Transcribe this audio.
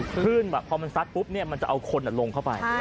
ขึ้นแบบพอมันซัดปุ๊บเนี่ยมันจะเอาคนอ่ะลงเข้าไป